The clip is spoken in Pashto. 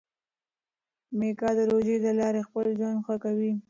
میکا د روژې له لارې خپل ژوند ښه کوي.